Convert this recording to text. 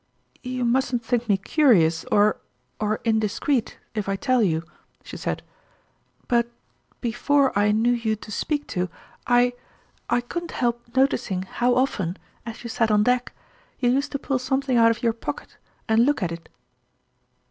" You mustn't think me curious or or in discreet, if I tell you," she said ;" but before I knew you to speak to, I I couldn't help noticing how often, as you sat on deck, you used to pull something out of your pocket and look at it."